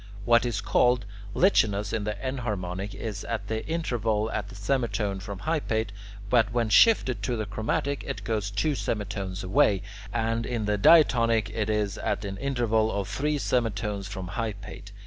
What is called lichanos in the enharmonic is at the interval of a semitone from hypate; but when shifted to the chromatic, it goes two semitones away; and in the diatonic it is at an interval of three semitones from hypate.